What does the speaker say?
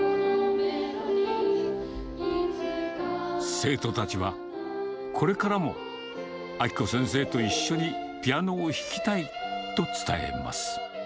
生徒たちは、これからも明子先生と一緒にピアノを弾きたいと伝えます。